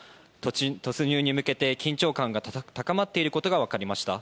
突入に向けて緊張感が高まっていることが分かりました。